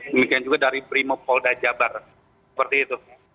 dan juga dari primo polda jawa barat